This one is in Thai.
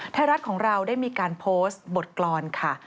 ไทยรัฐของเราได้มีการโพสต์บทกรรมค่ะ